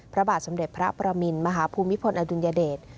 พระบาทสมเด็จพระประมินมหาภูมิพลอดุลยเดช